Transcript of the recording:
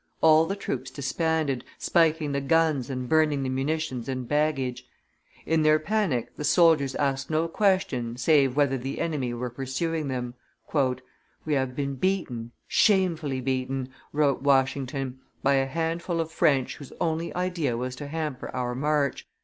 All the troops disbanded, spiking the guns and burning the munitions and baggage; in their panic the soldiers asked no question save whether the enemy were pursuing them. "We have been beaten, shamefully beaten," wrote Washington, "by a handful of French whose only idea was to hamper our march.